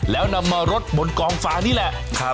แล้วนำมารดบนกองฟ้านี่แหละ